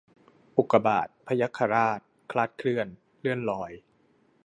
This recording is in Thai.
อุกกาบาต พยัคฆราช คลาดเคลื่อน เลื่อนลอย